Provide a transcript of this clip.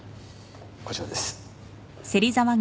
こちらです。